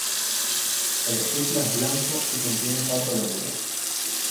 El estigma es blanco y tiene cuatro lóbulos.